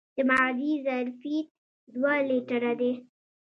د معدې ظرفیت دوه لیټره دی.